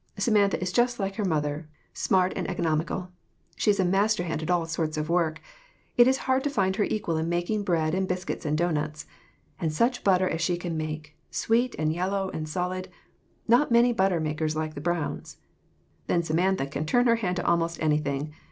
Samantha is just like her mother smart and economical. She is a master hand at all sorts of work. It is hard to find her equal in making bread and biscuits and doughnuts. And such butter as she can make sweet and yellow and solid! Not many butter makers like the Browns. Then Samantha can turn her hand to almost anything.